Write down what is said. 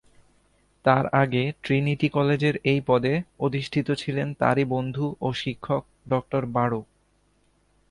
তার আগে ট্রিনিটি কলেজের এই পদে অধিষ্ঠিত ছিলেন তারই বন্ধু ও শিক্ষক ডঃ বারো।